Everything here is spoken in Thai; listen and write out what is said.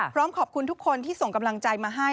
พร้อมขอบคุณทุกคนที่ส่งกำลังใจมาให้